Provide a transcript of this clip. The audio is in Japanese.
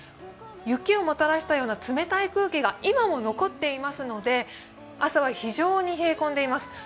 雪をもたらした冷たい空気が今も残っていますので朝は非常に冷え込んでいます。